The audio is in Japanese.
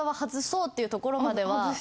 っていうところまでは。